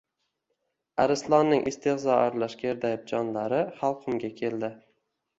Arslonning istehzo aralash gerdayib jonlari halqumga keldi